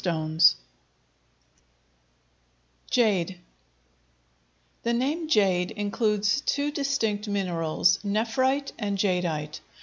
Jade The name jade includes two distinct minerals, nephrite and jadeite.